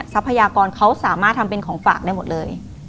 ทรัพยากรเขาสามารถทำเป็นของฝากได้หมดเลย